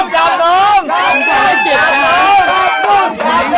จับหนัง